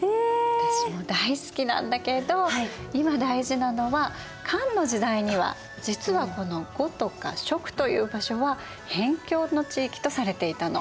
私も大好きなんだけど今大事なのは漢の時代には実はこの呉とか蜀という場所は辺境の地域とされていたの。